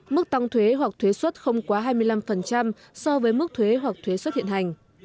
mức tăng thuế hoặc thuế xuất không quá hai mươi năm so với mức thuế hoặc thuế xuất hiện hành